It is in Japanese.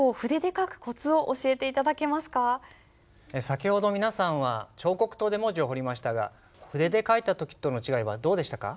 先ほど皆さんは彫刻刀で文字を彫りましたが筆で書いた時との違いはどうでしたか？